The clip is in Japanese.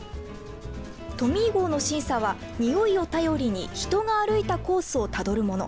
トミー号の審査はにおいを頼りに人が歩いたコースをたどるもの。